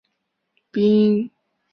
建国后作为珍品宴请国宾。